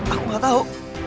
aku gak tau